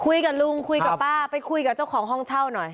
คุยกับลุงคุยกับป้าไปคุยกับเจ้าของห้องเช่าหน่อย